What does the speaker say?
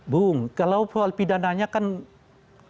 bung kalau soal pidananya kan ini yang menurut saya ya